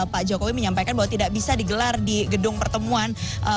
pak jokowi menyampaikan bahwa tidak bisa digelar di gedung pertemuan